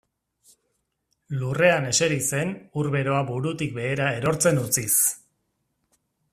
Lurrean ezeri zen ur beroa burutik behera erortzen utziz.